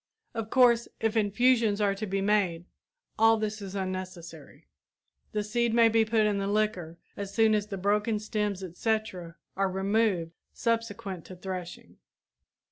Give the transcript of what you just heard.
Of course, if infusions are to be made all this is unnecessary; the seed may be put in the liquor as soon as the broken stems, etc. are removed subsequent to threshing.